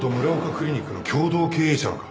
クリニックの共同経営者のか？